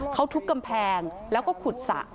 เขาทุบกำแพงแล้วก็ขุดสระ